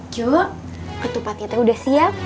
yuk ketupat kita udah siap